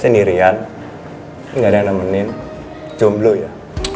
sendirian nggak ada yang nemenin jomblo ya